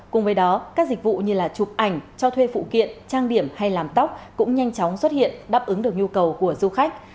cùng với đó các dịch vụ như là chụp ảnh cho thuê phụ kiện trang điểm hay làm tóc cũng nhanh chóng xuất hiện đáp ứng được nhu cầu của du khách